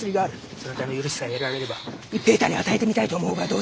そなたの許しさえ得られれば一平太に与えてみたいと思うがどうじゃ。